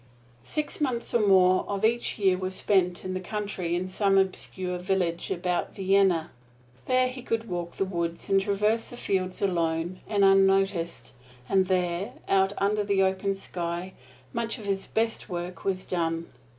Six months or more of each year were spent in the country in some obscure village about Vienna. There he could walk the woods and traverse the fields alone and unnoticed, and there, out under the open sky, much of his best work was done.